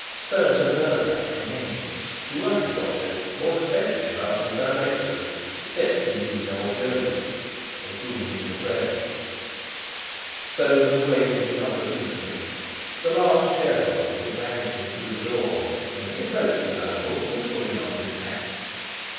Soames had heard that from Hemmings, who liked a gossip, more especially about his directors, except, indeed, old Jolyon, of whom he was afraid. Soames awaited his opportunity. The last shareholder was vanishing through the door, when he approached his uncle, who was putting on his hat.